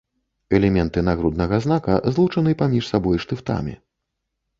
Элементы нагруднага знака злучаны паміж сабой штыфтамі.